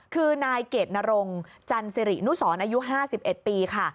คือนายเกดนรงจันสิรินุสรอายุ๕๑ปีค่ะ